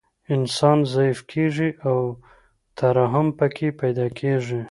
انسان ضعیف کیږي او ترحم پکې پیدا کیږي